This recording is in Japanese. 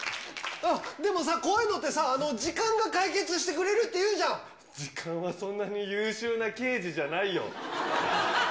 あっ、でもさ、こういうのってさ、時間が解決してくれるっていうじ時間はそんなに優秀な刑事じゃないよ。